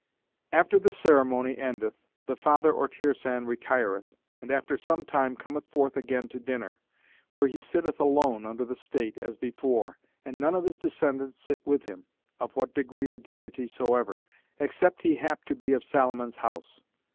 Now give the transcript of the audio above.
After the ceremony endeth the father or Tirsan retireth; and after some time cometh forth again to dinner, where he sitteth alone under the state, as before; and none of his descendants sit with him, of what degree or dignity soever, except he hap to be of Salomon's House.